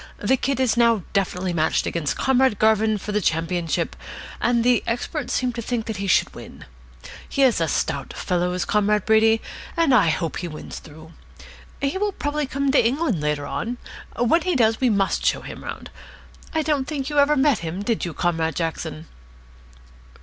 The Kid is now definitely matched against Comrade Garvin for the championship, and the experts seem to think that he should win. He is a stout fellow, is Comrade Brady, and I hope he wins through. He will probably come to England later on. When he does, we must show him round. I don't think you ever met him, did you, Comrade Jackson?"